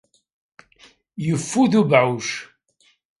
Yeffud ubɛuc.